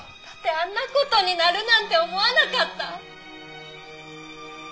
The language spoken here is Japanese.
だってあんな事になるなんて思わなかった！